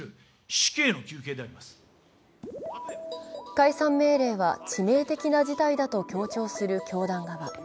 解散命令は致命的な事態だと強調する教団側。